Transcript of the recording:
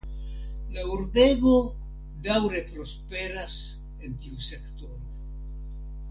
La urbego daŭre prosperas en tiu sektoro.